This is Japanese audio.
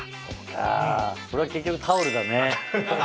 あ俺は結局タオルだね。